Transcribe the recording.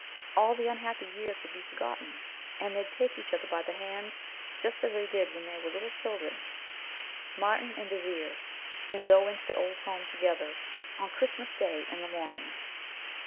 All the unhappy years would be forgotten, and they'd take each other by the hand, just as they did when they were little children, Martin and Désiré, and go into the old home together, on Christmas Day, in the morning."